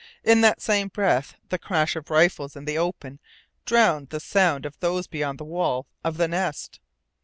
In that same breath the crash of rifles in the open drowned the sound of those beyond the wall of the Nest.